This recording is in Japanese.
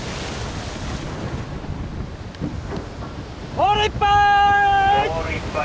ホールいっぱい！